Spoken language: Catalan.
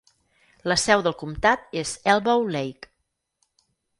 La seu del comtat és Elbow Lake.